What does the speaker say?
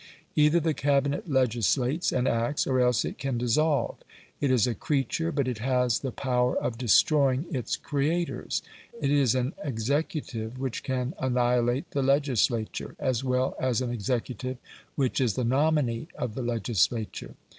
Either the Cabinet legislates and acts, or else it can dissolve. It is a creature, but it has the power of destroying its creators. It is an executive which can annihilate the legislature, as well as an executive which is the nominee of the legislature.